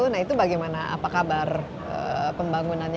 nah itu bagaimana apa kabar pembangunannya